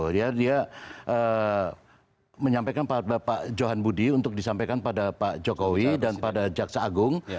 dia menyampaikan pada bapak johan budi untuk disampaikan pada pak jokowi dan pada jaksa agung